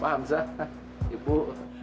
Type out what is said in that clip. paham sah ibu